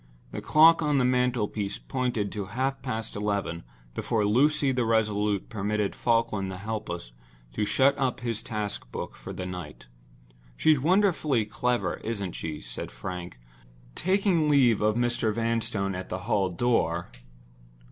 The clock on the mantel piece pointed to half past eleven before Lucy the resolute permitted Falkland the helpless to shut up his task book for the night. "She's wonderfully clever, isn't she?" said Frank, taking leave of Mr. Vanstone at the hall door.